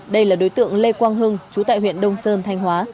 đây là đối tượng lê quang hưng chú tại huyện đông sơn thanh hóa